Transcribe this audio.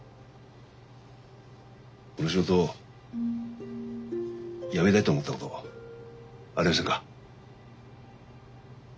この仕事やめたいと思ったことありませんか？